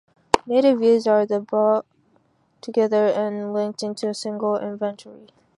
Native Views are then brought together and linked into a single Inventory.